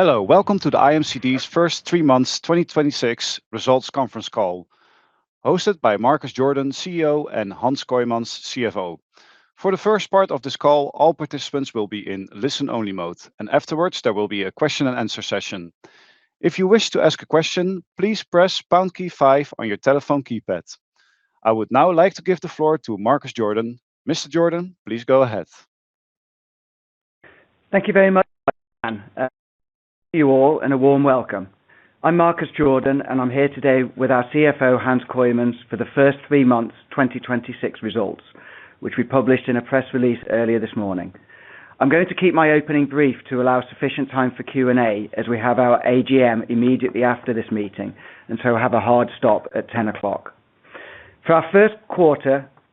Hello. Welcome to the IMCD's First three months 2026 results conference call, hosted by Marcus Jordan, CEO, and Hans Kooijmans, CFO. For the first part of this call, all participants will be in listen-only mode, and afterwards there will be a question and answer session. If you wish to ask a question, please press pound key five on your telephone keypad. I would now like to give the floor to Marcus Jordan. Mr. Jordan, please go ahead. Thank you very much, you all and a warm welcome. I'm Marcus Jordan, and I'm here today with our CFO, Hans Kooijmans, for the first three months 2026 results, which we published in a press release earlier this morning. I'm going to keep my opening brief to allow sufficient time for Q&A as we have our AGM immediately after this meeting, and so have a hard stop at 10:00 A.M.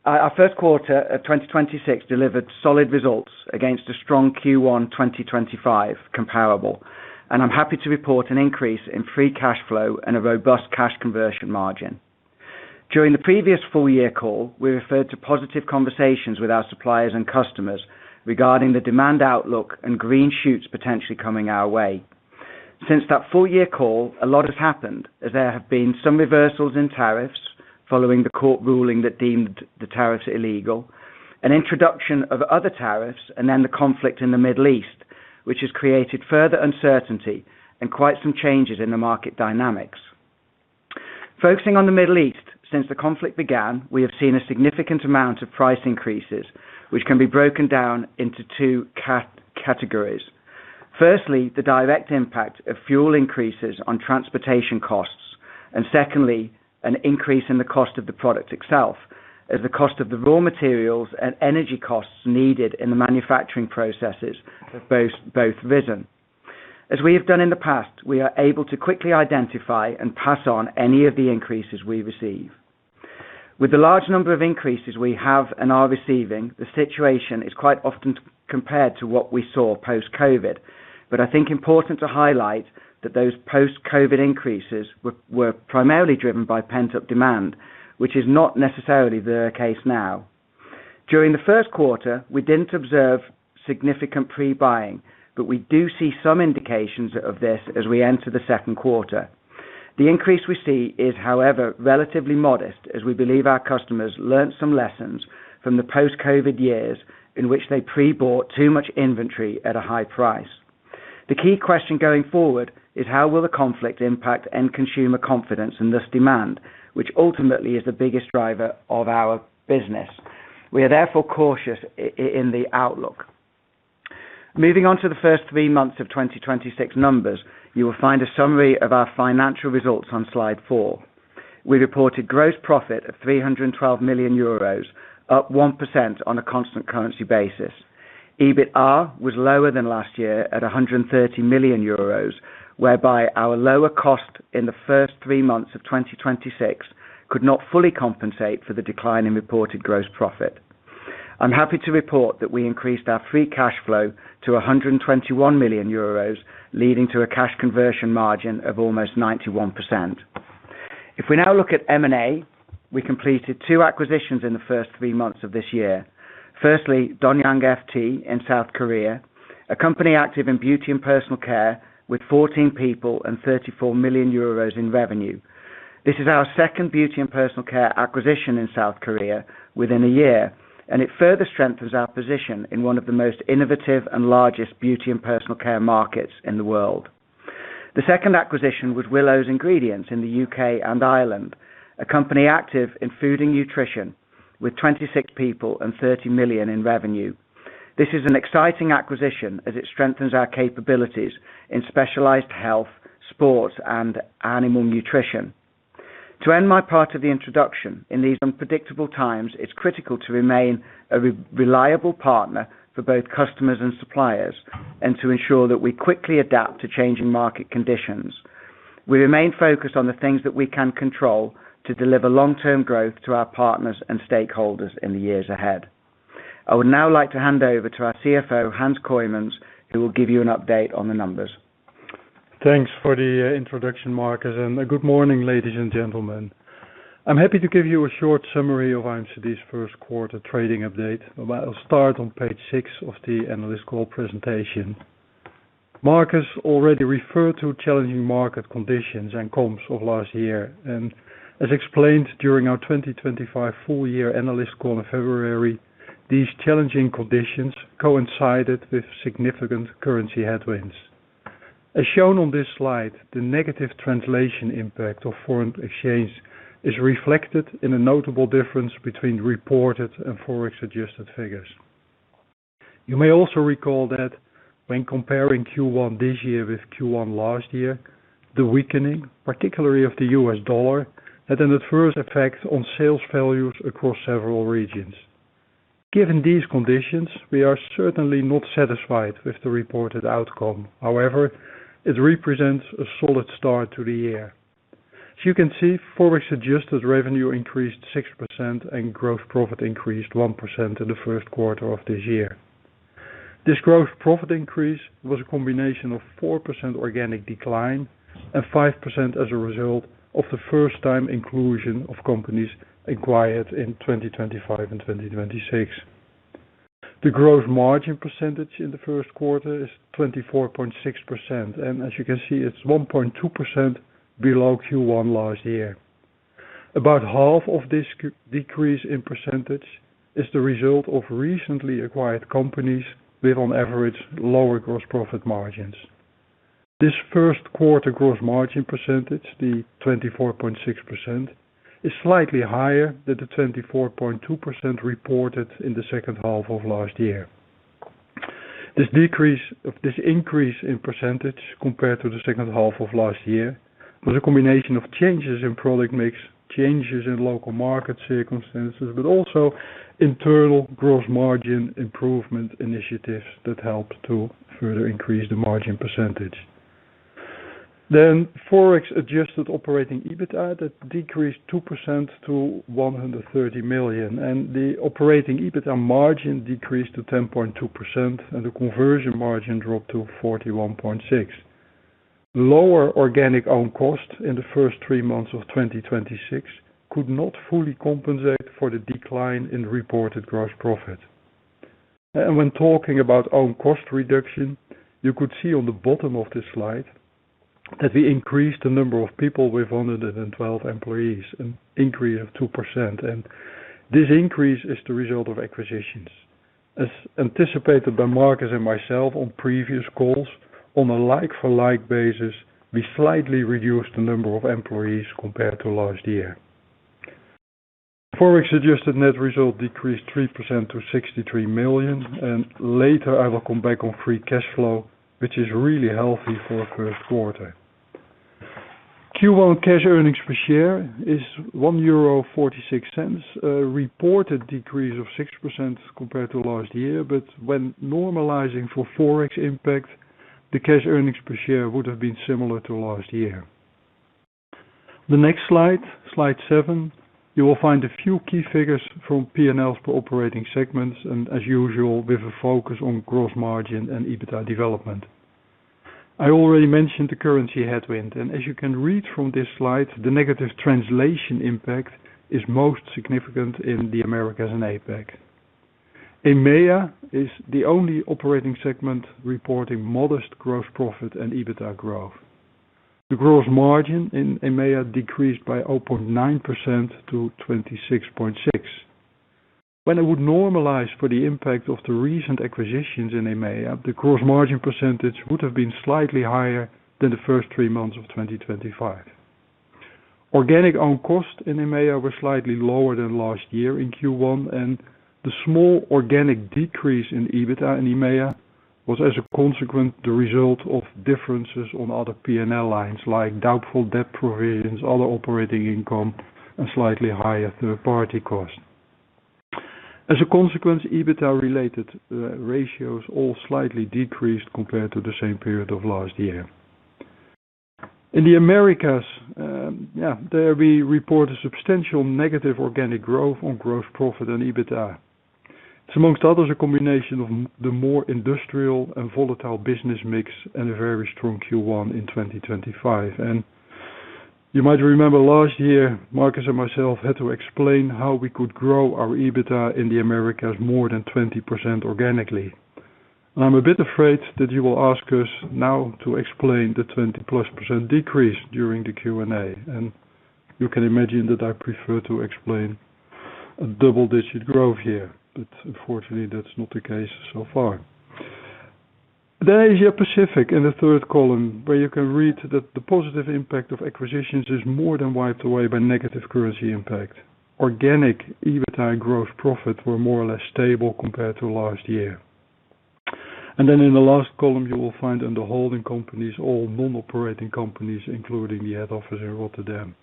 Our first quarter of 2026 delivered solid results against a strong Q1 2025 comparable, and I'm happy to report an increase in free cash flow and a robust cash conversion margin. During the previous full year call, we referred to positive conversations with our suppliers and customers regarding the demand outlook and green shoots potentially coming our way. Since that full year call, a lot has happened as there have been some reversals in tariffs following the court ruling that deemed the tariffs illegal, an introduction of other tariffs, the conflict in the Middle East, which has created further uncertainty and quite some changes in the market dynamics. Focusing on the Middle East, since the conflict began, we have seen a significant amount of price increases, which can be broken down into two categories. Firstly, the direct impact of fuel increases on transportation costs, secondly, an increase in the cost of the product itself as the cost of the raw materials and energy costs needed in the manufacturing processes of both risen. As we have done in the past, we are able to quickly identify and pass on any of the increases we receive. With the large number of increases we have and are receiving, the situation is quite often compared to what we saw post-COVID, I think important to highlight that those post-COVID increases were primarily driven by pent-up demand, which is not necessarily the case now. During the first quarter, we didn't observe significant pre-buying. We do see some indications of this as we enter the second quarter. The increase we see is, however, relatively modest as we believe our customers learnt some lessons from the post-COVID years in which they pre-bought too much inventory at a high price. The key question going forward is how will the conflict impact end consumer confidence and thus demand, which ultimately is the biggest driver of our business. We are therefore cautious in the outlook. Moving on to the first three months of 2026 numbers, you will find a summary of our financial results on slide four. We reported gross profit of 312 million euros, up 1% on a constant currency basis. EBITA was lower than last year at 130 million euros, whereby our lower cost in the first three months of 2026 could not fully compensate for the decline in reported gross profit. I'm happy to report that we increased our free cash flow to 121 million euros, leading to a cash conversion margin of almost 91%. If we now look at M&A, we completed two acquisitions in the first three months of this year. Firstly, Dong Yang FT in South Korea, a company active in beauty and personal care with 14 people and 34 million euros in revenue. This is our second beauty and personal care acquisition in South Korea within a year. It further strengthens our position in one of the most innovative and largest beauty and personal care markets in the world. The second acquisition was Willows Ingredients in the U.K. and Ireland, a company active in food and nutrition with 26 people and 30 million in revenue. This is an exciting acquisition as it strengthens our capabilities in specialized health, sports, and animal nutrition. To end my part of the introduction, in these unpredictable times, it is critical to remain a reliable partner for both customers and suppliers and to ensure that we quickly adapt to changing market conditions. We remain focused on the things that we can control to deliver long-term growth to our partners and stakeholders in the years ahead. I would now like to hand over to our CFO, Hans Kooijmans, who will give you an update on the numbers. Thanks for the introduction, Marcus, and good morning, ladies and gentlemen. I'm happy to give you a short summary of IMCD's first quarter trading update. I'll start on page 6 of the analyst call presentation. Marcus already referred to challenging market conditions and comps of last year. As explained during our 2025 full year analyst call in February, these challenging conditions coincided with significant currency headwinds. As shown on this slide, the negative translation impact of foreign exchange is reflected in a notable difference between reported and Forex-adjusted figures. You may also recall that when comparing Q1 this year with Q1 last year, the weakening, particularly of the U.S. dollar, had an adverse effect on sales values across several regions. Given these conditions, we are certainly not satisfied with the reported outcome. However, it represents a solid start to the year. As you can see, Forex-adjusted revenue increased 6% and gross profit increased 1% in the first quarter of this year. This gross profit increase was a combination of 4% organic decline and 5% as a result of the first time inclusion of companies acquired in 2025 and 2026. The gross margin percentage in the first quarter is 24.6%, and as you can see, it's 1.2% below Q1 last year. About half of this decrease in percentage is the result of recently acquired companies with on average lower gross profit margins. This first quarter gross margin percentage, the 24.6%, is slightly higher than the 24.2% reported in the second half of last year. This increase in % compared to the second half of last year was a combination of changes in product mix, changes in local market circumstances, but also internal gross margin improvement initiatives that helped to further increase the margin %. Forex adjusted operating EBITDA that decreased 2% to 130 million, and the operating EBITDA margin decreased to 10.2%, and the conversion margin dropped to 41.6%. Lower organic own costs in the first three months of 2026 could not fully compensate for the decline in reported gross profit. When talking about own cost reduction, you could see on the bottom of this slide that we increased the number of people with 112 employees, an increase of 2%. This increase is the result of acquisitions. As anticipated by Marcus and myself on previous calls, on a like-for-like basis, we slightly reduced the number of employees compared to last year. Forex-adjusted net result decreased 3% to 63 million, and later I will come back on free cash flow, which is really healthy for a first quarter. Q1 cash earnings per share is 1.46 euro, a reported decrease of 6% compared to last year. When normalizing for Forex impact, the cash earnings per share would have been similar to last year. The next slide seven, you will find a few key figures from P&L per operating segments, and as usual, with a focus on gross margin and EBITDA development. I already mentioned the currency headwind, and as you can read from this slide, the negative translation impact is most significant in the Americas and APAC. EMEA is the only operating segment reporting modest gross profit and EBITDA growth. The gross margin in EMEA decreased by 0.9% to 26.6%. When it would normalize for the impact of the recent acquisitions in EMEA, the gross margin percentage would have been slightly higher than the first three months of 2025. Organic own costs in EMEA were slightly lower than last year in Q1, and the small organic decrease in EBITDA in EMEA was as a consequence, the result of differences on other P&L lines, like doubtful debt provisions, other operating income, and slightly higher third-party costs. As a consequence, EBITDA-related ratios all slightly decreased compared to the same period of last year. In the Americas, there we report a substantial negative organic growth on gross profit and EBITDA. It's among others, a combination of the more industrial and volatile business mix and a very strong Q1 in 2025. You might remember last year, Marcus and myself had to explain how we could grow our EBITDA in the Americas more than 20% organically. I'm a bit afraid that you will ask us now to explain the 20+% decrease during the Q&A. You can imagine that I prefer to explain a double-digit growth here, but unfortunately, that's not the case so far. The Asia-Pacific in the third column, where you can read that the positive impact of acquisitions is more than wiped away by negative currency impact. Organic EBITDA growth profits were more or less stable compared to last year. In the last column, you will find under holding companies, all non-operating companies, including the head office in Rotterdam.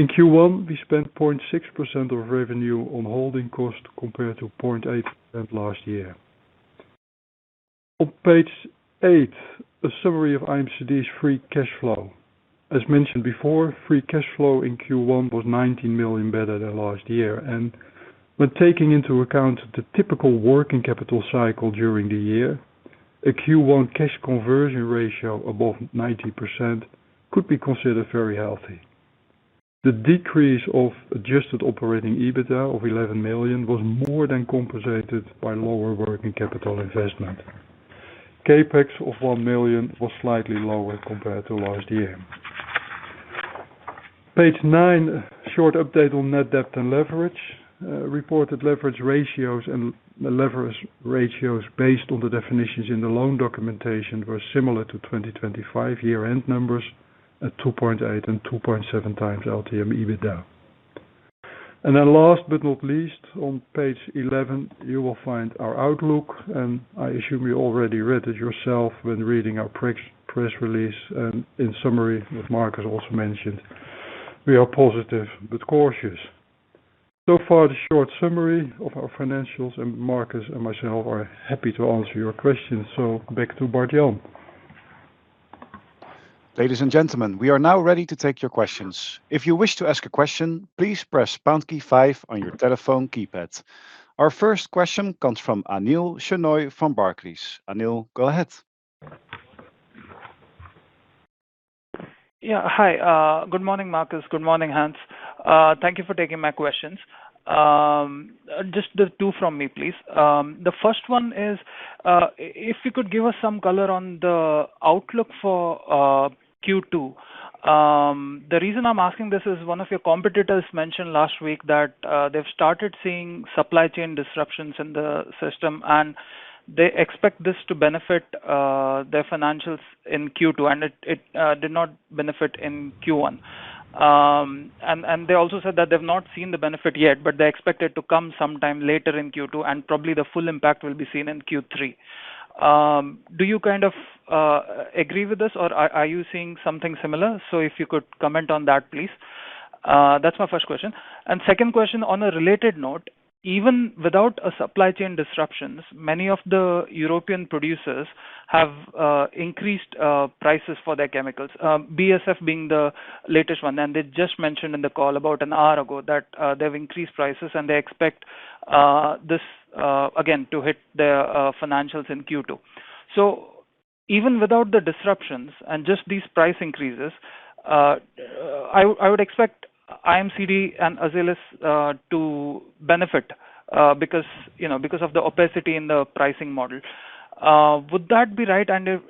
In Q1, we spent 0.6% of revenue on holding costs compared to 0.8% last year. On page eight, a summary of IMCD's free cash flow. As mentioned before, free cash flow in Q1 was 19 million better than last year. When taking into account the typical working capital cycle during the year, a Q1 cash conversion ratio above 90% could be considered very healthy. The decrease of adjusted operating EBITDA of 11 million was more than compensated by lower working capital investment. CapEx of 1 million was slightly lower compared to last year. Page nine, a short update on net debt and leverage. Reported leverage ratios and leverage ratios based on the definitions in the loan documentation were similar to 2025 year-end numbers at 2.8x and 2.7x LTM EBITDA. Last but not least, on page 11 you will find our outlook, and I assume you already read it yourself when reading our press release. In summary, what Marcus also mentioned, we are positive but cautious. Far, the short summary of our financials, and Marcus and myself are happy to answer your questions. Back to Bart Jan. Ladies and gentlemen, we are now ready to take your questions. If you wish to ask a question, please press pound key 5 on your telephone keypad. Our first question comes from Anil Shenoy from Barclays. Anil, go ahead. Hi, good morning, Marcus. Good morning, Hans. Thank you for taking my questions. Just the two from me, please. The first one is, if you could give us some color on the outlook for Q2. The reason I'm asking this is one of your competitors mentioned last week that they've started seeing supply chain disruptions in the system, and they expect this to benefit their financials in Q2, and it did not benefit in Q1. They also said that they've not seen the benefit yet, but they expect it to come sometime later in Q2, and probably the full impact will be seen in Q3. Do you kind of agree with this, or are you seeing something similar? If you could comment on that, please. That's my first question. Second question, on a related note, even without a supply chain disruptions, many of the European producers have increased prices for their chemicals, BASF being the latest one. They just mentioned in the call about an hour ago that they've increased prices and they expect this again to hit their financials in Q2. Even without the disruptions and just these price increases, I would expect IMCD and Azelis to benefit because, you know, because of the opacity in the pricing model. Would that be right? If,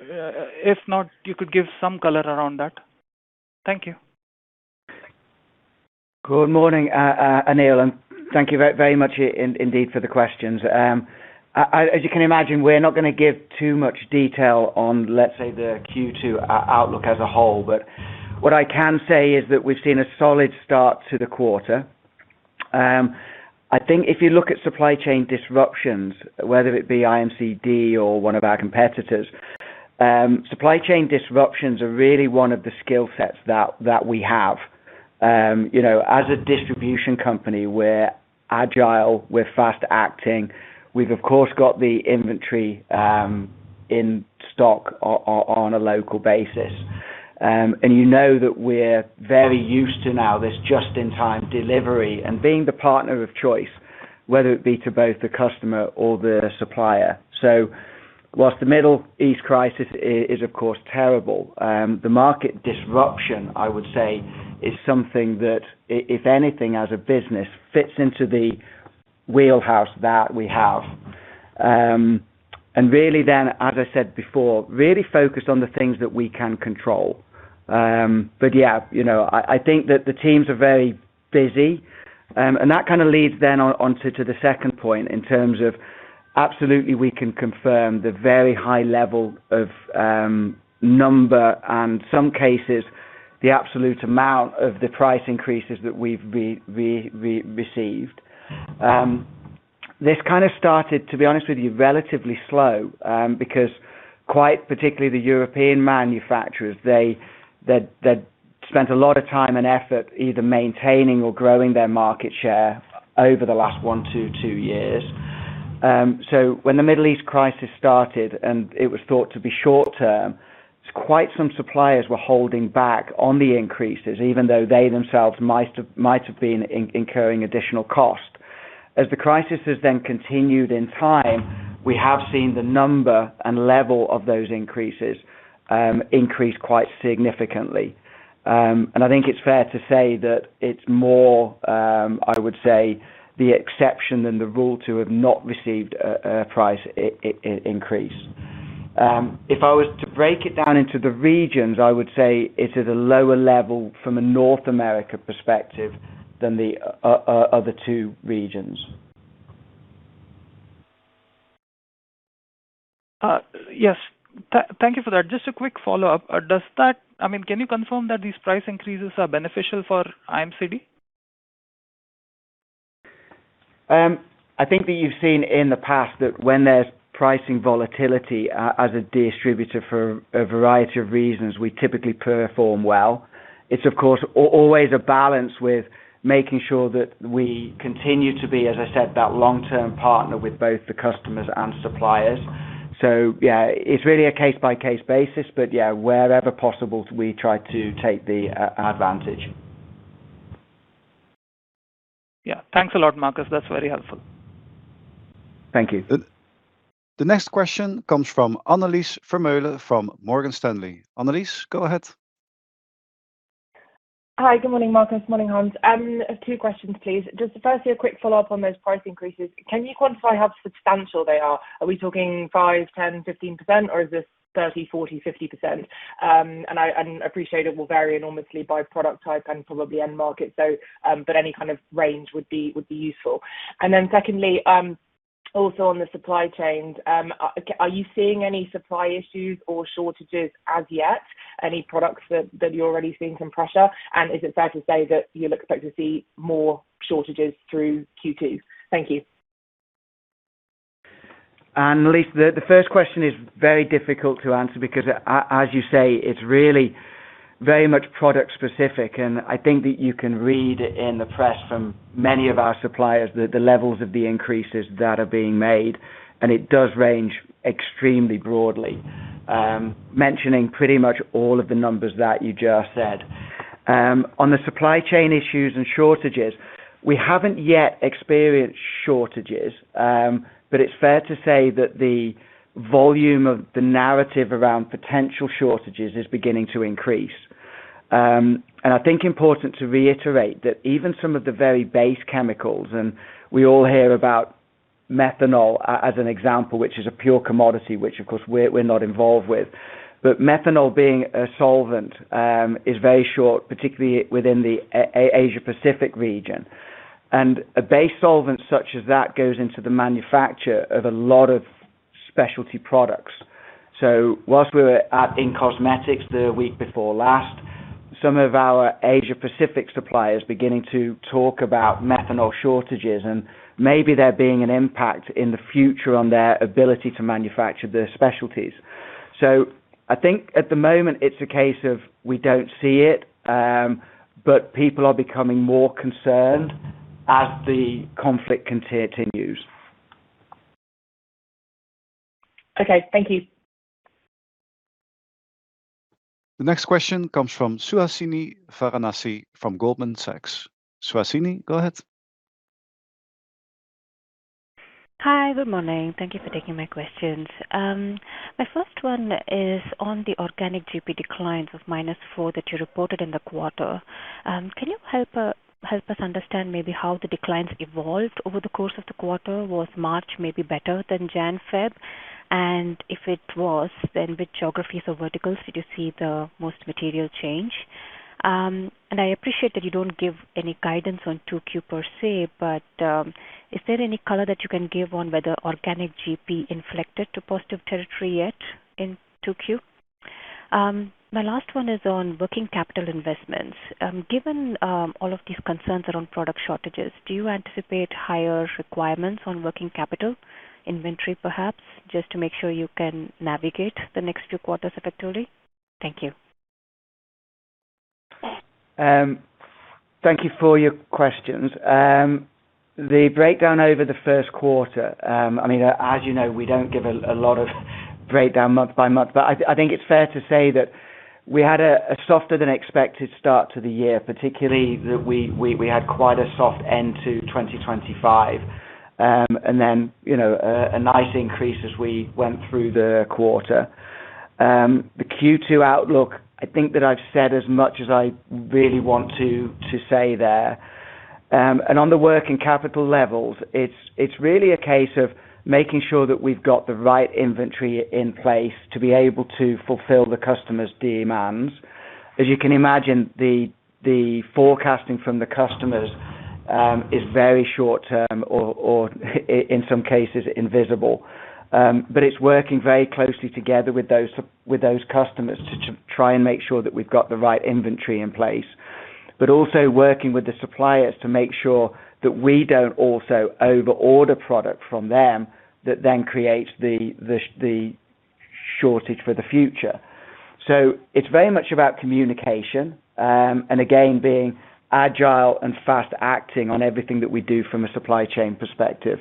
if not, you could give some color around that. Thank you. Good morning, Anil, and thank you very much indeed for the questions. As you can imagine, we're not gonna give too much detail on, let's say, the Q2 outlook as a whole. What I can say is that we've seen a solid start to the quarter. I think if you look at supply chain disruptions, whether it be IMCD or one of our competitors, supply chain disruptions are really one of the skill sets that we have. You know, as a distribution company, we're agile, we're fast-acting. We've, of course, got the inventory, in stock on a local basis. You know that we're very used to now this just-in-time delivery and being the partner of choice, whether it be to both the customer or the supplier. Whilst the Middle East crisis is, of course, terrible, the market disruption, I would say, is something that if anything, as a business, fits into the wheelhouse that we have. Really then, as I said before, really focused on the things that we can control. Yeah, you know, I think that the teams are very busy. That kind of leads then onto to the second point in terms of absolutely we can confirm the very high level of number, and some cases, the absolute amount of the price increases that we've received. This kind of started, to be honest with you, relatively slow, because quite particularly the European manufacturers, they'd spent a lot of time and effort either maintaining or growing their market share over the last one to two years. When the Middle East crisis started and it was thought to be short-term, quite some suppliers were holding back on the increases, even though they themselves might have, might have been incurring additional cost. As the crisis has then continued in time, we have seen the number and level of those increases increase quite significantly. I think it's fair to say that it's more, I would say the exception than the rule to have not received a price increase. If I was to break it down into the regions, I would say it's at a lower level from a North America perspective than the other two regions. Yes. Thank you for that. Just a quick follow-up. I mean, can you confirm that these price increases are beneficial for IMCD? I think that you've seen in the past that when there's pricing volatility, as a distributor for a variety of reasons, we typically perform well. It's of course always a balance with making sure that we continue to be, as I said, that long-term partner with both the customers and suppliers. Yeah, it's really a case-by-case basis. Yeah, wherever possible, we try to take the advantage. Yeah. Thanks a lot, Marcus. That's very helpful. Thank you. The next question comes from Annelies Vermeulen from Morgan Stanley. Annelies, go ahead. Hi. Good morning, Marcus. Morning, Hans. Two questions, please. Just firstly, a quick follow-up on those price increases. Can you quantify how substantial they are? Are we talking 5%, 10%, 15%, or is this 30%, 40%, 50%? I appreciate it will vary enormously by product type and probably end market, so any kind of range would be useful. Secondly, also on the supply chains, are you seeing any supply issues or shortages as yet? Any products that you're already seeing some pressure? Is it fair to say that you expect to see more shortages through Q2? Thank you. Annelies, the first question is very difficult to answer because as you say, it's really very much product specific, and I think that you can read in the press from many of our suppliers the levels of the increases that are being made, and it does range extremely broadly, mentioning pretty much all of the numbers that you just said. On the supply chain issues and shortages, we haven't yet experienced shortages. It's fair to say that the volume of the narrative around potential shortages is beginning to increase. I think important to reiterate that even some of the very base chemicals, and we all hear about methanol as an example, which is a pure commodity, which of course we're not involved with. Methanol being a solvent is very short, particularly within the Asia Pacific region. A base solvent such as that goes into the manufacture of a lot of specialty products. Whilst we were in in-cosmetics Global the week before last, some of our Asia Pacific suppliers beginning to talk about methanol shortages, and maybe there being an impact in the future on their ability to manufacture their specialties. I think at the moment, it's a case of we don't see it, but people are becoming more concerned as the conflict continues. Okay. Thank you. The next question comes from Suhasini Varanasi from Goldman Sachs Group, Inc. Suhasini, go ahead. Hi. Good morning. Thank you for taking my questions. My first one is on the organic GP declines of -4% that you reported in the quarter. Can you help us understand maybe how the declines evolved over the course of the quarter? Was March maybe better than January, February? If it was, then which geographies or verticals did you see the most material change? I appreciate that you don't give any guidance on 2Q per se, but is there any color that you can give on whether organic GP inflected to positive territory yet in 2Q? My last one is on working capital investments. Given all of these concerns around product shortages, do you anticipate higher requirements on working capital inventory, perhaps, just to make sure you can navigate the next few quarters effectively? Thank you. Thank you for your questions. The breakdown over the first quarter, I mean, as you know, we don't give a lot of breakdown month by month. I think it's fair to say that we had a softer than expected start to the year, particularly that we had quite a soft end to 2025. Then, you know, a nice increase as we went through the quarter. The Q2 outlook, I think that I've said as much as I really want to say there. On the working capital levels, it's really a case of making sure that we've got the right inventory in place to be able to fulfill the customer's demands. As you can imagine, the forecasting from the customers is very short term or in some cases invisible. It's working very closely together with those customers to try and make sure that we've got the right inventory in place. Also working with the suppliers to make sure that we don't also over-order product from them that then creates the shortage for the future. It's very much about communication, and again, being agile and fast acting on everything that we do from a supply chain perspective.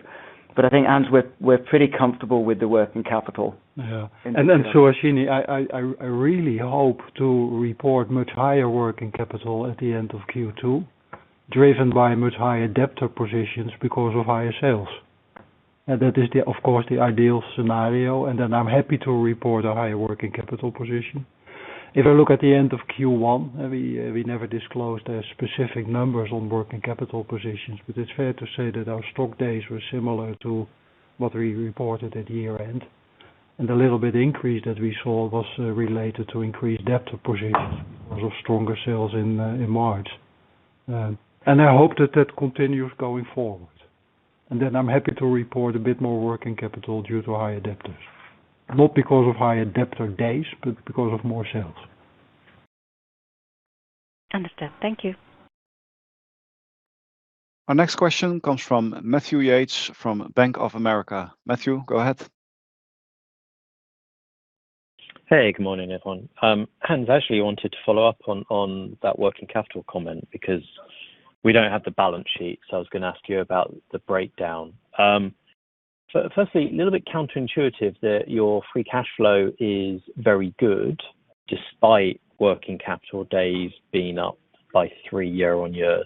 I think, Hans, we're pretty comfortable with the working capital. Yeah. Suhasini, I really hope to report much higher working capital at the end of Q2, driven by much higher debtor positions because of higher sales. That is, of course, the ideal scenario. I'm happy to report a higher working capital position. If I look at the end of Q1, we never disclosed the specific numbers on working capital positions, but it's fair to say that our stock days were similar to what we reported at year-end. The little bit increase that we saw was related to increased debtor positions because of stronger sales in March. I hope that that continues going forward. I'm happy to report a bit more working capital due to higher debtors. Not because of higher debtor days, but because of more sales. Understood. Thank you. Our next question comes from Matthew Yates from Bank of America Corporation. Matthew, go ahead. Hey, good morning, everyone. Hans, I actually wanted to follow up on that working capital comment because we don't have the balance sheet, I was gonna ask you about the breakdown. Firstly, a little bit counterintuitive that your free cash flow is very good despite working capital days being up by three year-on-year.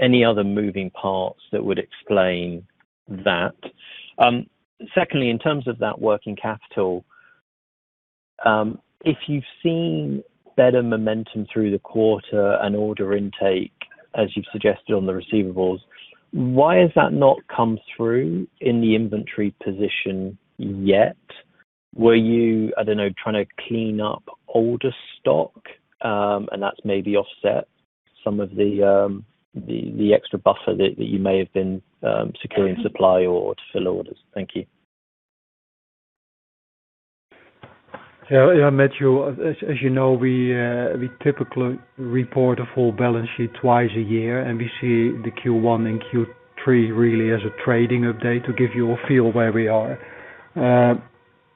Any other moving parts that would explain that? Secondly, in terms of that working capital, if you've seen better momentum through the quarter and order intake, as you've suggested on the receivables, why has that not come through in the inventory position yet? Were you, I don't know, trying to clean up older stock, and that's maybe offset some of the extra buffer that you may have been securing supply or to fill orders? Thank you. Yeah, Matthew, as you know, we typically report a full balance sheet twice a year, and we see the Q1 and Q3 really as a trading update to give you a feel where we are.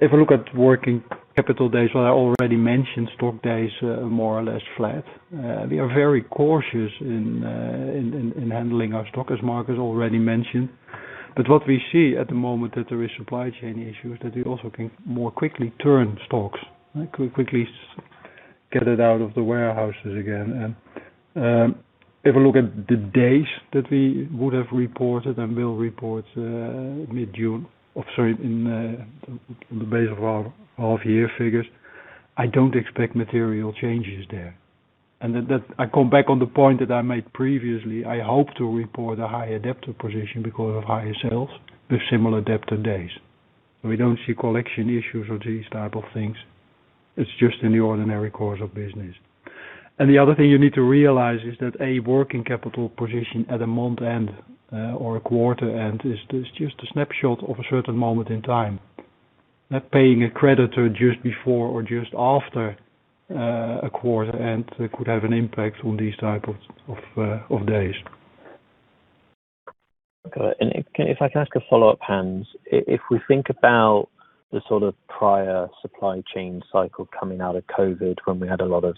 If I look at working capital days, well, I already mentioned stock days are more or less flat. We are very cautious in handling our stock, as Marcus already mentioned. What we see at the moment that there is supply chain issues, that we also can more quickly turn stocks, right? Could quickly get it out of the warehouses again. If we look at the days that we would have reported and will report, mid-June, or sorry, in on the base of our half year figures, I don't expect material changes there. I come back on the point that I made previously, I hope to report a higher debtor position because of higher sales with similar debtor days. We don't see collection issues or these type of things. It's just in the ordinary course of business. The other thing you need to realize is that a working capital position at a month end or a quarter end is just a snapshot of a certain moment in time. Not paying a creditor just before or just after a quarter end could have an impact on these type of days. Got it. If I can ask a follow-up, Hans. If we think about the sort of prior supply chain cycle coming out of COVID when we had a lot of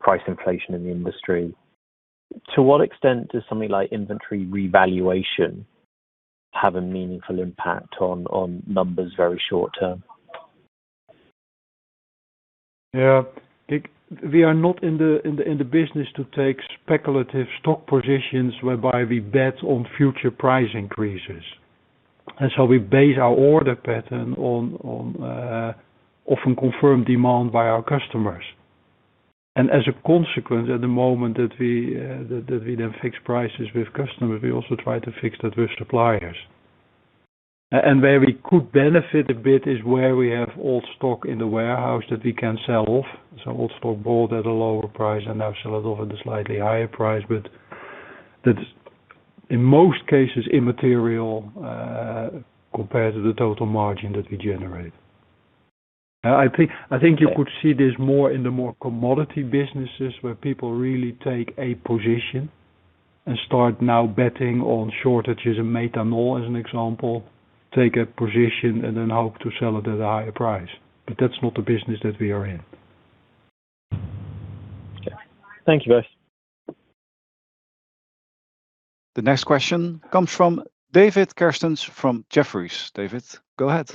price inflation in the industry, to what extent does something like inventory revaluation have a meaningful impact on numbers very short term? Yeah. We are not in the business to take speculative stock positions whereby we bet on future price increases. We base our order pattern on often confirmed demand by our customers. As a consequence, at the moment that we then fix prices with customers, we also try to fix that with suppliers. Where we could benefit a bit is where we have old stock in the warehouse that we can sell off. Old stock bought at a lower price and now sell it off at a slightly higher price. That is, in most cases, immaterial compared to the total margin that we generate. I think you could see this more in the more commodity businesses where people really take a position and start now betting on shortages in methanol, as an example, take a position and then hope to sell it at a higher price. That's not the business that we are in. Okay. Thank you both. The next question comes from David Kerstens from Jefferies. David, go ahead.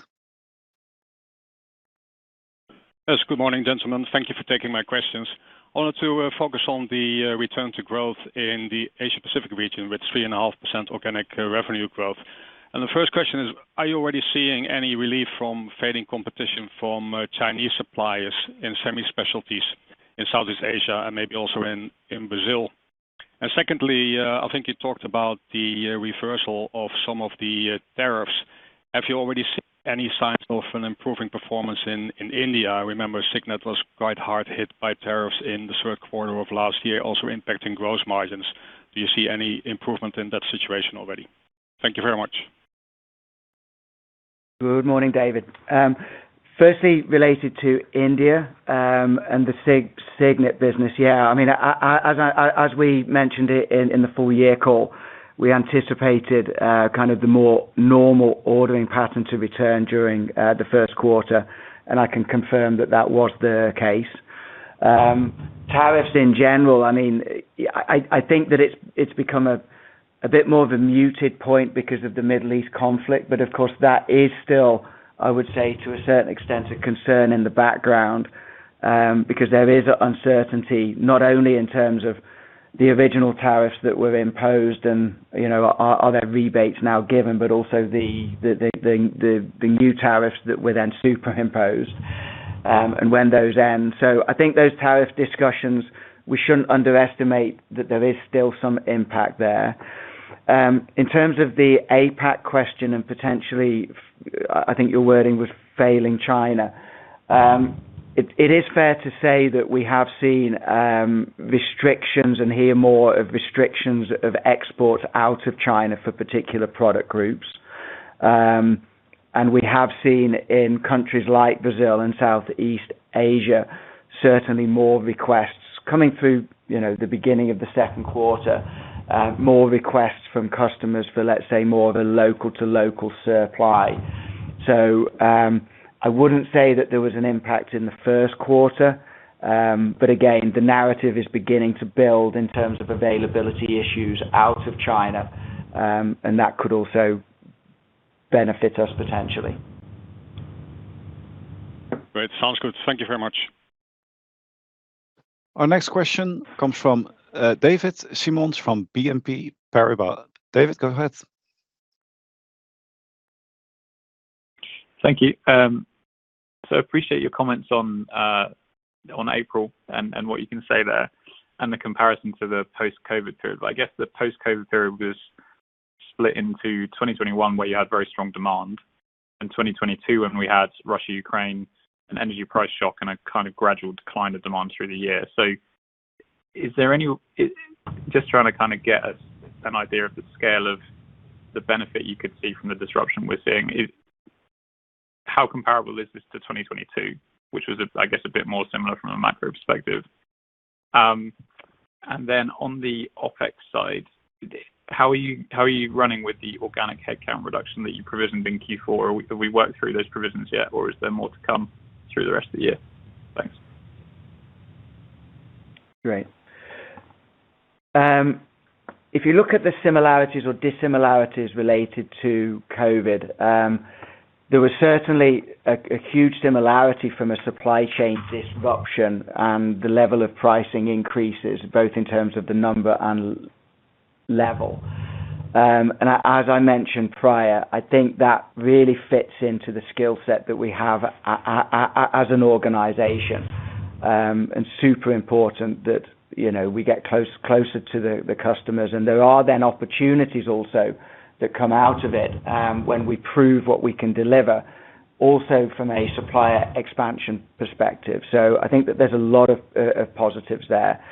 Yes. Good morning, gentlemen. Thank you for taking my questions. I wanted to focus on the return to growth in the Asia Pacific region with 3.5% organic revenue growth. The first question is, are you already seeing any relief from fading competition from Chinese suppliers in semi-specialties in Southeast Asia and maybe also in Brazil? Secondly, I think you talked about the reversal of some of the tariffs. Have you already seen any signs of an improving performance in India? I remember Signet was quite hard hit by tariffs in the third quarter of last year, also impacting gross margins. Do you see any improvement in that situation already? Thank you very much. Good morning, David. Firstly, related to India, and the Signet business. Yeah, I mean, as we mentioned it in the full year call, we anticipated kind of the more normal ordering pattern to return during the first quarter, and I can confirm that that was the case. Tariffs in general, I mean, I think that it's become a bit more of a muted point because of the Middle East conflict, but of course, that is still, I would say, to a certain extent, a concern in the background, because there is uncertainty, not only in terms of the original tariffs that were imposed and, you know, are there rebates now given, but also the new tariffs that were then superimposed, and when those end. I think those tariff discussions, we shouldn't underestimate that there is still some impact there. In terms of the APAC question and potentially, I think your wording was failing China, it is fair to say that we have seen restrictions and hear more of restrictions of exports out of China for particular product groups. We have seen in countries like Brazil and Southeast Asia, certainly more requests coming through, you know, the beginning of the second quarter, more requests from customers for, let's say, more of a local to local supply. I wouldn't say that there was an impact in the first quarter, but again, the narrative is beginning to build in terms of availability issues out of China, and that could also benefit us potentially. Great. Sounds good. Thank you very much. Our next question comes from David Symonds from BNP Paribas. David, go ahead. Thank you. Appreciate your comments on April and what you can say there and the comparison to the post-COVID period. I guess the post-COVID period was split into 2021, where you had very strong demand, and 2022 when we had Russia, Ukraine, an energy price shock and a kind of gradual decline of demand through the year. Just trying to kind of get us an idea of the scale of the benefit you could see from the disruption we're seeing. How comparable is this to 2022, which was, I guess, a bit more similar from a macro perspective? Then on the OpEx side, how are you running with the organic headcount reduction that you provisioned in Q4? Have we worked through those provisions yet, or is there more to come through the rest of the year? Great. If you look at the similarities or dissimilarities related to COVID, there was certainly a huge similarity from a supply chain disruption and the level of pricing increases, both in terms of the number and level. As I mentioned prior, I think that really fits into the skill set that we have as an organization. Super important that, you know, we get closer to the customers, and there are then opportunities also that come out of it, when we prove what we can deliver also from a supplier expansion perspective. I think that there's a lot of positives there.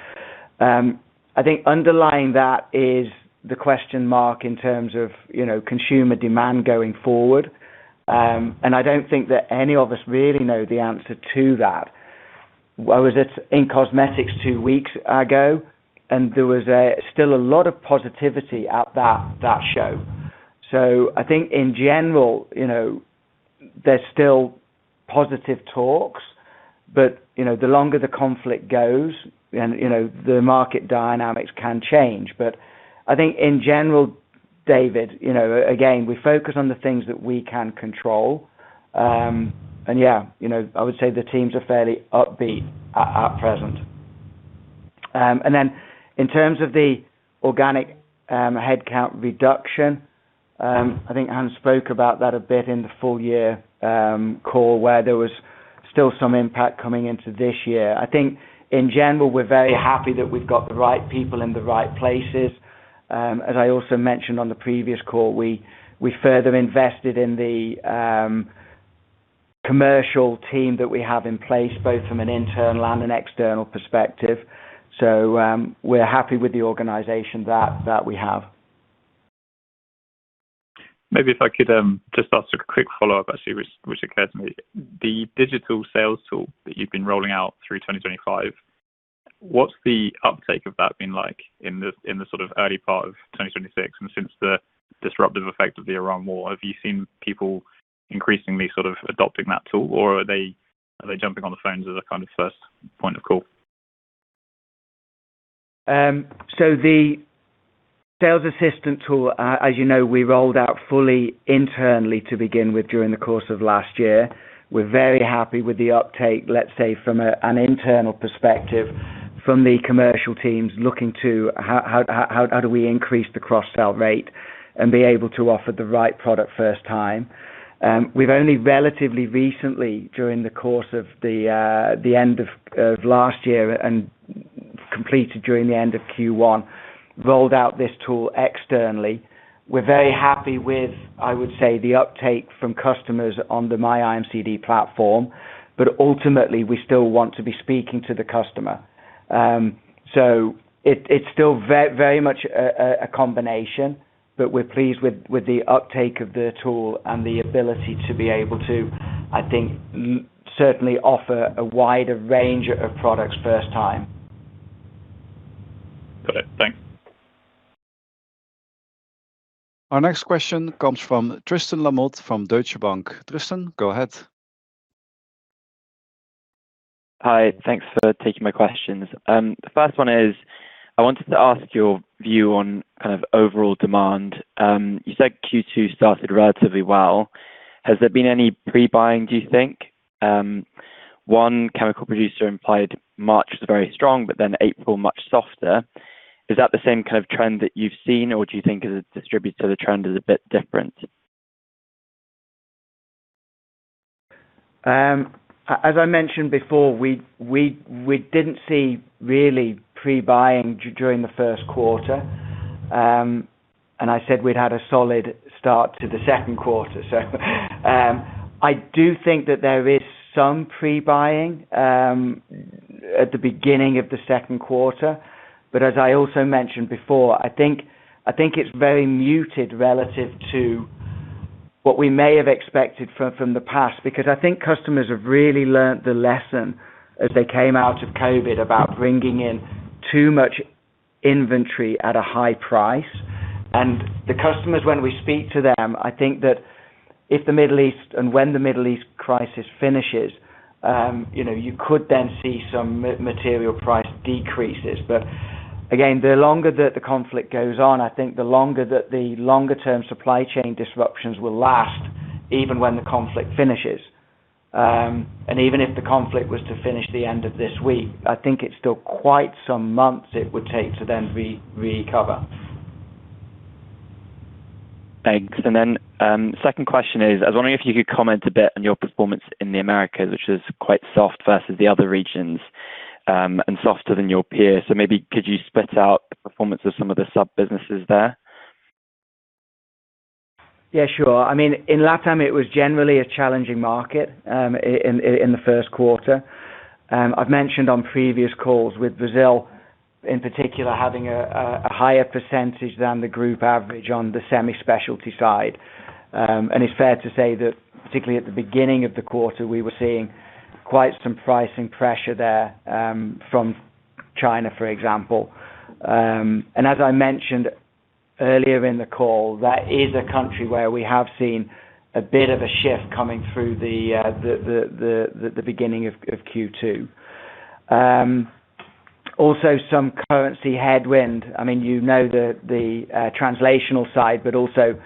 I think underlying that is the question mark in terms of, you know, consumer demand going forward. I don't think that any of us really know the answer to that. I was at in-cosmetics Global two weeks ago, there was still a lot of positivity at that show. I think in general, you know, there's still positive talks, you know, the longer the conflict goes and, you know, the market dynamics can change. I think in general, David, you know, again, we focus on the things that we can control. Yeah, you know, I would say the teams are fairly upbeat at present. In terms of the organic headcount reduction, I think Hans spoke about that a bit in the full year call, where there was still some impact coming into this year. I think in general, we're very happy that we've got the right people in the right places. As I also mentioned on the previous call, we further invested in the commercial team that we have in place, both from an internal and an external perspective. We're happy with the organization that we have. Maybe if I could, just ask a quick follow-up, actually, which occurred to me. The digital sales tool that you've been rolling out through 2025, what's the uptake of that been like in the, in the sort of early part of 2026 and since the disruptive effect of the Iran war? Have you seen people increasingly sort of adopting that tool, or are they jumping on the phones as a kind of first point of call? The sales assistant tool, as you know, we rolled out fully internally to begin with during the course of last year. We're very happy with the uptake, let's say from an internal perspective from the commercial teams looking to how do we increase the cross-sell rate and be able to offer the right product first time. We've only relatively recently, during the course of the end of last year and completed during the end of Q1, rolled out this tool externally. We're very happy with, I would say, the uptake from customers on the MyIMCD platform, but ultimately, we still want to be speaking to the customer. It's still very much a combination, but we're pleased with the uptake of the tool and the ability to be able to, I think, certainly offer a wider range of products first time. Got it. Thanks. Our next question comes from Tristan Lamotte from Deutsche Bank. Tristan, go ahead. Hi. Thanks for taking my questions. The first one is, I wanted to ask your view on kind of overall demand. You said Q2 started relatively well. Has there been any pre-buying, do you think? One chemical producer implied March was very strong, but then April much softer. Is that the same kind of trend that you've seen, or do you think as it distributes to the trend is a bit different? As I mentioned before, we didn't see really pre-buying during the first quarter. I said we'd had a solid start to the second quarter. I do think that there is some pre-buying at the beginning of the second quarter, as I also mentioned before, I think it's very muted relative to what we may have expected from the past because I think customers have really learnt the lesson as they came out of COVID about bringing in too much inventory at a high price. The customers, when we speak to them, I think that if the Middle East and when the Middle East crisis finishes, you know, you could then see some material price decreases. Again, the longer that the conflict goes on, I think the longer that the longer-term supply chain disruptions will last, even when the conflict finishes. Even if the conflict was to finish the end of this week, I think it is still quite some months it would take to then re-recover. Thanks. Second question is, I was wondering if you could comment a bit on your performance in the Americas, which is quite soft versus the other regions and softer than your peers. Maybe could you split out the performance of some of the sub-businesses there? Yeah, sure. I mean, in LATAM, it was generally a challenging market in the first quarter. I've mentioned on previous calls with Brazil, in particular, having a higher percentage than the group average on the semi-specialty side. It's fair to say that particularly at the beginning of the quarter, we were seeing quite some pricing pressure there from China, for example. As I mentioned earlier in the call, that is a country where we have seen a bit of a shift coming through the beginning of Q2. Also some currency headwind. I mean, you know, the translational side, but also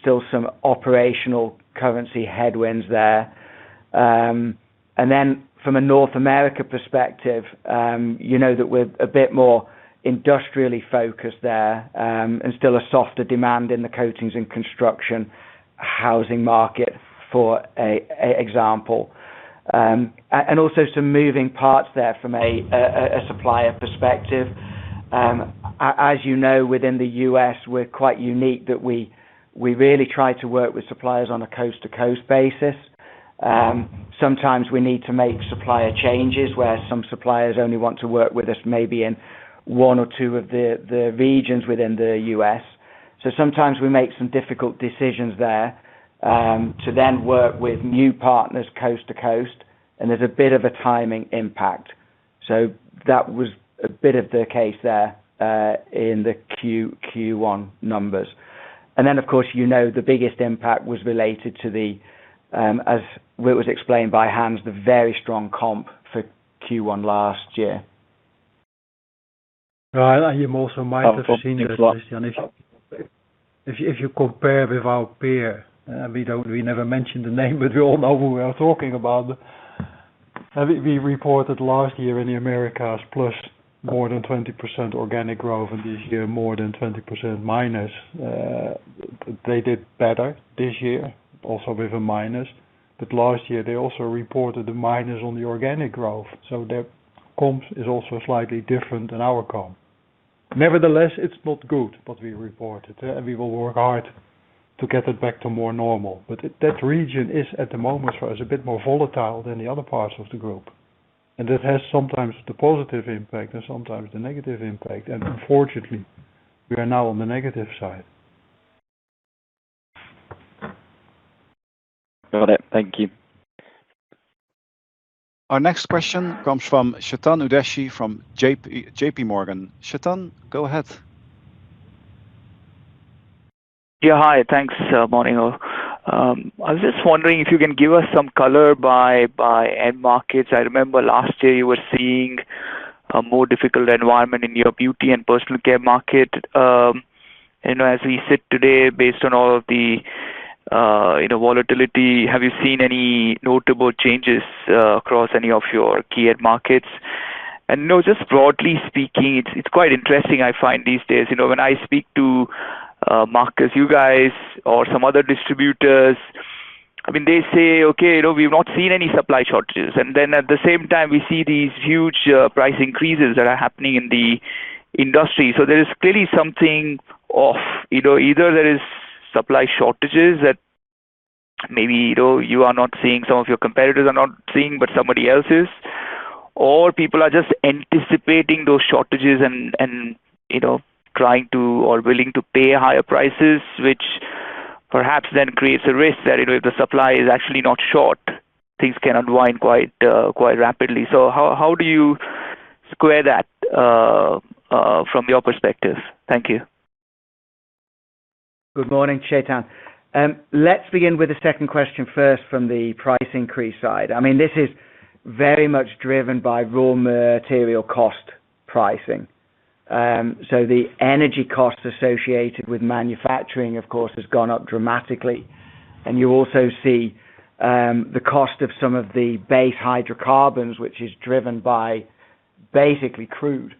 still some operational currency headwinds there. From a North America perspective, you know that we're a bit more industrially focused there, still a softer demand in the coatings and construction housing market, for example. Also some moving parts there from a supplier perspective. As you know, within the U.S., we really try to work with suppliers on a coast to coast basis. Sometimes we need to make supplier changes where some suppliers only want to work with us maybe in one or two of the regions within the U.S. Sometimes we make some difficult decisions there to then work with new partners coast to coast, and there's a bit of a timing impact. That was a bit of the case there in the Q1 numbers. Of course, you know the biggest impact was related to the, as it was explained by Hans, the very strong comp for Q1 last year. Right. You also might have seen that, Tristan, if you compare with our peer, we never mention the name, but we all know who we are talking about. We reported last year in the Americas plus more than 20% organic growth, and this year more than 20%-. They did better this year also with a minus. Last year, they also reported the minus on the organic growth, so their comps is also slightly different than our comp. Nevertheless, it's not good what we reported. and we will work hard to get it back to more normal. That region is, at the moment for us, a bit more volatile than the other parts of the group, and it has sometimes the positive impact and sometimes the negative impact. Unfortunately, we are now on the negative side. Got it. Thank you. Our next question comes from Chetan Udeshi from JPMorgan Chase & Co. Chetan, go ahead. Yeah, hi. Thanks. Morning, all. I was just wondering if you can give us some color by end markets. I remember last year you were seeing a more difficult environment in your beauty and personal care market. You know, as we sit today, based on all of the, you know, volatility, have you seen any notable changes across any of your key end markets? You know, just broadly speaking, it's quite interesting I find these days. You know, when I speak to Marcus, you guys or some other distributors, I mean, they say, okay, you know, we've not seen any supply shortages. Then at the same time we see these huge price increases that are happening in the industry. There is clearly something off. You know, either there is supply shortages that maybe, you know, you are not seeing, some of your competitors are not seeing, but somebody else is, or people are just anticipating those shortages and, you know, trying to or willing to pay higher prices, which perhaps then creates a risk that, you know, if the supply is actually not short, things can unwind quite rapidly. How do you square that from your perspective? Thank you. Good morning, Chetan. Let's begin with the second question first from the price increase side. I mean, this is very much driven by raw material cost pricing. The energy costs associated with manufacturing, of course, has gone up dramatically. You also see the cost of some of the base hydrocarbons, which is driven by basically crude.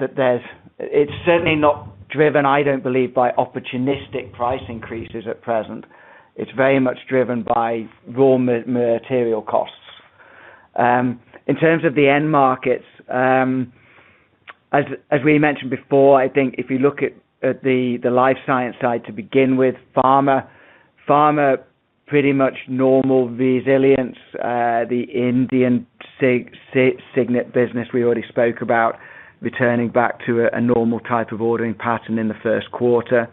It's certainly not driven, I don't believe, by opportunistic price increases at present. It's very much driven by raw material costs. In terms of the end markets, as we mentioned before, I think if you look at the life science side to begin with, Pharma. Pharma pretty much normal resilience. The Indian Signet business we already spoke about returning back to a normal type of ordering pattern in the first quarter.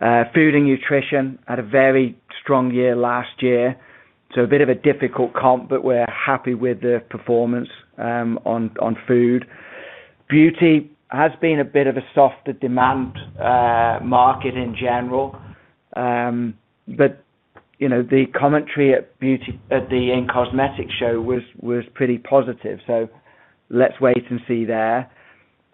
Food and nutrition had a very strong year last year, so a bit of a difficult comp, but we're happy with the performance on food. Beauty has been a bit of a softer demand market in general. You know, the commentary at beauty at the in-cosmetics Global show was pretty positive, so let's wait and see there.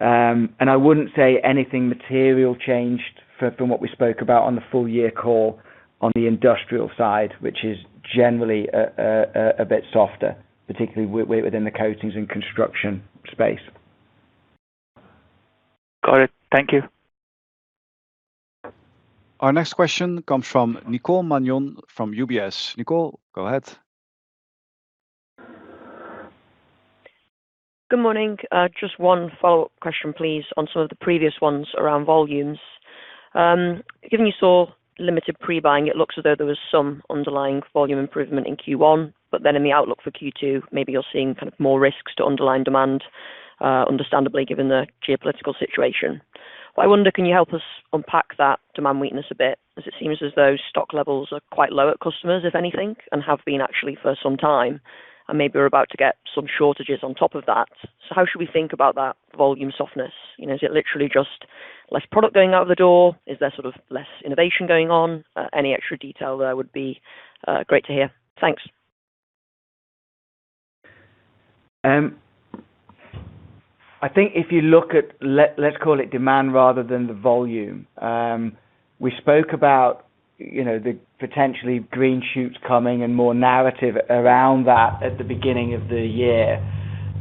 I wouldn't say anything material changed for, from what we spoke about on the full year call on the industrial side, which is generally a bit softer, particularly way within the coatings and construction space. Got it. Thank you. Our next question comes from Nicole Manion from UBS. Nicole, go ahead. Good morning. Just one follow-up question, please, on some of the previous ones around volumes. Given you saw limited pre-buying, it looks as though there was some underlying volume improvement in Q1, but then in the outlook for Q2, maybe you're seeing kind of more risks to underlying demand, understandably given the geopolitical situation. I wonder, can you help us unpack that demand weakness a bit, as it seems as though stock levels are quite low at customers, if anything, and have been actually for some time, and maybe we're about to get some shortages on top of that. How should we think about that volume softness? You know, is it literally just less product going out the door? Is there sort of less innovation going on? Any extra detail there would be great to hear. Thanks. I think if you look at, let's call it demand rather than the volume, we spoke about, you know, the potentially green shoots coming and more narrative around that at the beginning of the year.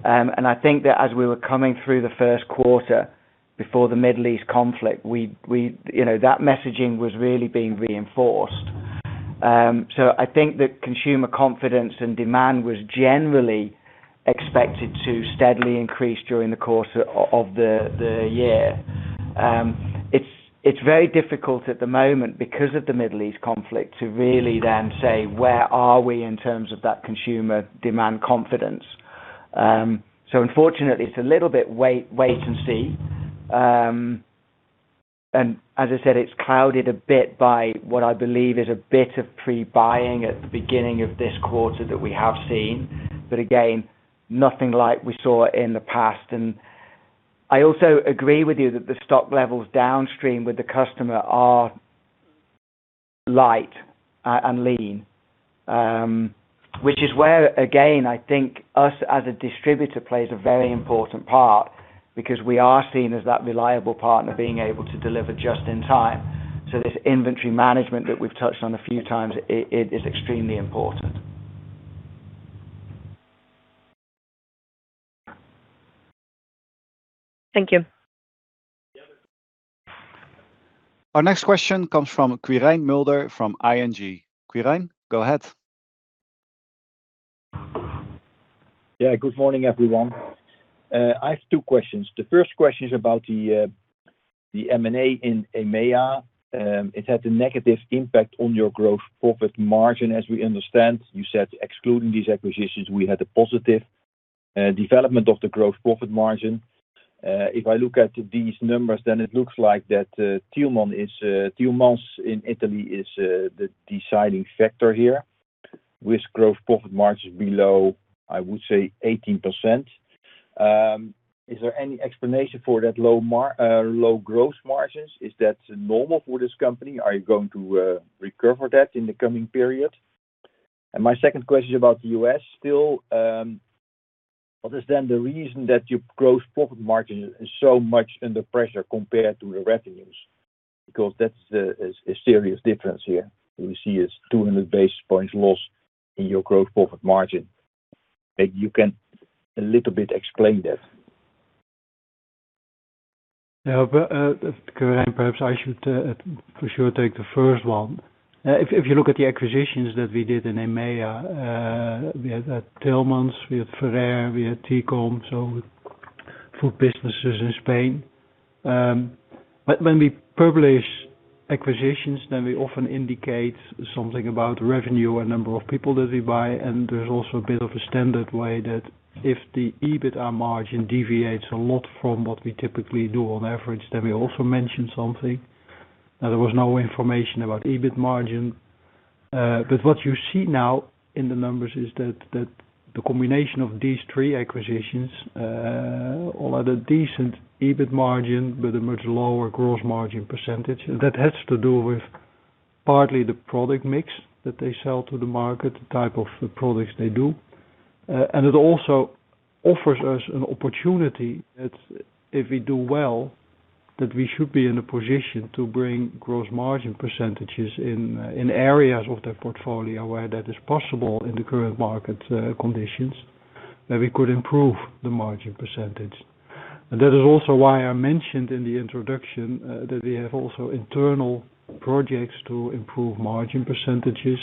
And I think that as we were coming through the first quarter before the Middle East conflict, we know, that messaging was really being reinforced. I think that consumer confidence and demand was generally expected to steadily increase during the course of the year. It's very difficult at the moment because of the Middle East conflict to really say, where are we in terms of that consumer demand confidence. Unfortunately, it's a little bit wait and see. As I said, it's clouded a bit by what I believe is a bit of pre-buying at the beginning of this quarter that we have seen. Again, nothing like we saw in the past. I also agree with you that the stock levels downstream with the customer are light and lean, which is where, again, I think us as a distributor plays a very important part because we are seen as that reliable partner being able to deliver just in time. This inventory management that we've touched on a few times, it is extremely important. Thank you. Our next question comes from Quirijn Mulder from ING. Quirijn, go ahead. Yeah. Good morning, everyone. I have two questions. The first question is about the M&A in EMEA. It had a negative impact on your gross profit margin, as we understand. You said excluding these acquisitions, we had a positive development of the gross profit margin. If I look at these numbers, then it looks like that Tillmanns is Tillmanns in Italy is the deciding factor here with gross profit margins below, I would say 18%. Is there any explanation for that low gross margins? Is that normal for this company? Are you going to recover that in the coming period? My second question about the U.S. still, what is then the reason that your gross profit margin is so much under pressure compared to the revenues? That's a serious difference here. We see it's 200 basis points loss in your gross profit margin. Maybe you can a little bit explain that? Yeah. Quirijn, perhaps I should for sure take the first one. If you look at the acquisitions that we did in EMEA, we had Tillmanns, we had Ferrer, we had TECOM, so food businesses in Spain. When we publish acquisitions, then we often indicate something about revenue and number of people that we buy, and there's also a bit of a standard way that if the EBITA margin deviates a lot from what we typically do on average, then we also mention something. Now, there was no information about EBIT margin. What you see now in the numbers is that the combination of these three acquisitions, all at a decent EBIT margin with a much lower gross margin percentage, that has to do with partly the product mix that they sell to the market, the type of products they do. It also offers us an opportunity that if we do well, that we should be in a position to bring gross margin percentages in areas of that portfolio where that is possible in the current market conditions, that we could improve the margin percentage. That is also why I mentioned in the introduction, that we have also internal projects to improve margin percentages.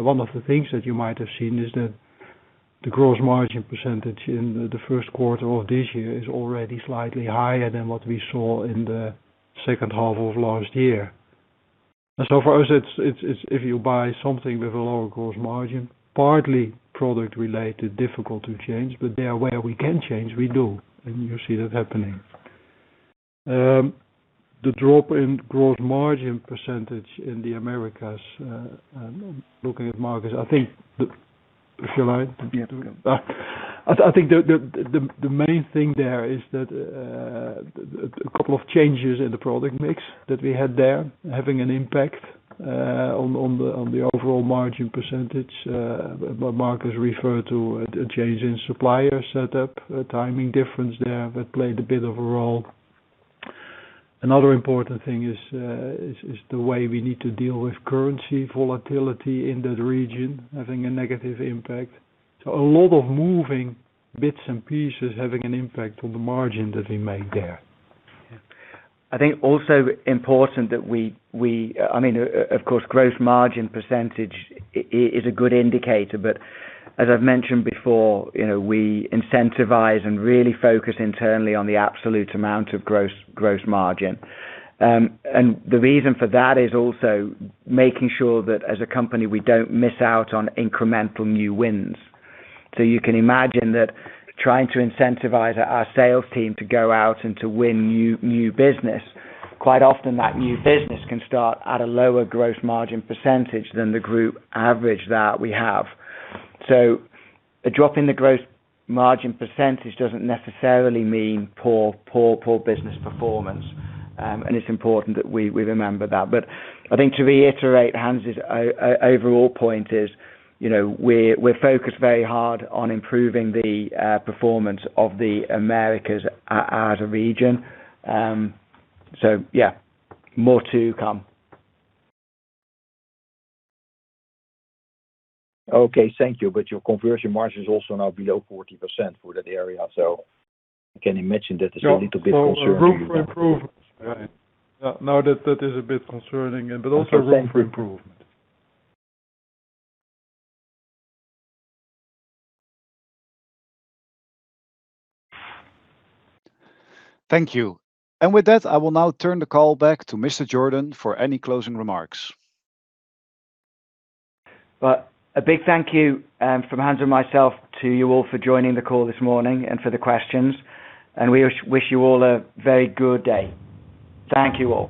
One of the things that you might have seen is that the gross margin % in the first quarter of this year is already slightly higher than what we saw in the second half of last year. For us, it's, if you buy something with a lower gross margin, partly product related, difficult to change, but there where we can change, we do, and you see that happening. The drop in gross margin % in the Americas, looking at markets, I think. Shall I? Yeah. I think the main thing there is that a couple of changes in the product mix that we had there having an impact on the overall margin percentage. Marcus has referred to a change in supplier setup, a timing difference there that played a bit of a role. Another important thing is the way we need to deal with currency volatility in that region, having a negative impact. A lot of moving bits and pieces having an impact on the margin that we make there. Yeah. I think also important that we, I mean, of course, gross margin percentage is a good indicator, but as I've mentioned before, you know, we incentivize and really focus internally on the absolute amount of gross margin. The reason for that is also making sure that as a company, we don't miss out on incremental new wins. You can imagine that trying to incentivize our sales team to go out and to win new business, quite often that new business can start at a lower gross margin percentage than the group average that we have. A drop in the gross margin percentage doesn't necessarily mean poor business performance. It's important that we remember that. I think to reiterate Hans' overall point is, you know, we're focused very hard on improving the performance of the Americas as a region. Yeah, more to come. Okay. Thank you. Your conversion margin is also now below 40% for that area. I can imagine that is a little bit concerning for you then. Room for improvement. Yeah, no, that is a bit concerning, but also room for improvement. Okay. Thank you. Thank you. With that, I will now turn the call back to Mr. Jordan for any closing remarks. A big thank you from Hans and myself to you all for joining the call this morning and for the questions. We wish you all a very good day. Thank you all.